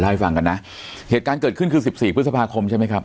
ให้ฟังกันนะเหตุการณ์เกิดขึ้นคือสิบสี่พฤษภาคมใช่ไหมครับ